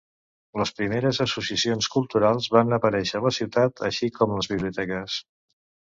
Les primeres associacions culturals van aparèixer a la ciutat, així com les biblioteques.